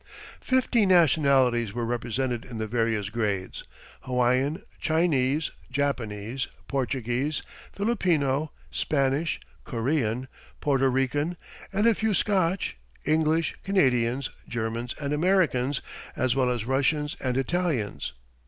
"Fifteen nationalities were represented in the various grades Hawaiian, Chinese, Japanese, Portuguese, Filipino, Spanish, Korean, Porto Rican, and a few Scotch, English, Canadians, Germans and Americans, as well as Russians and Italians.